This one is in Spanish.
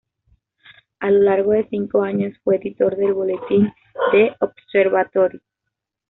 A lo largo de cinco años fue editor del boletín ""The Observatory"".